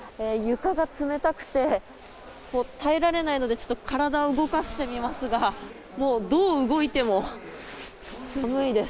床が冷たくて、もう耐えられないので、ちょっと体を動かしてみますが、もうどう動いても寒いです。